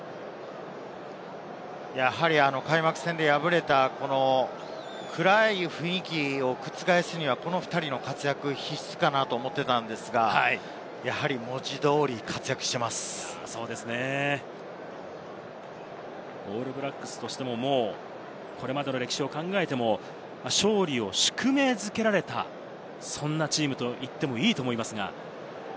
開幕戦で敗れた暗い雰囲気を覆すにはこの２人の活躍必須かなと思っていたのですが、オールブラックスとしてもこれまでの歴史を考えても、勝利を宿命づけられた、そんなチームと言ってもいいと思います。